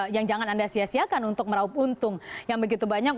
yang jangan anda sia siakan untuk meraup untung yang begitu banyak